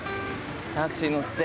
タクシー乗って。